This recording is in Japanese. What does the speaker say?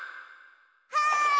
はい！